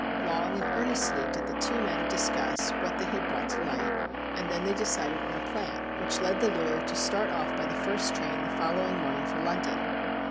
Long and earnestly did the two men discuss what they had brought to light, and then they decided on a plan which led the lawyer to start off by the first train the following morning for London.